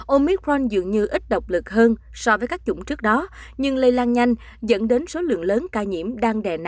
omicron dường như ít độc lực hơn so với các chủng trước đó nhưng lây lan nhanh dẫn đến số lượng lớn ca nhiễm đang đè nặng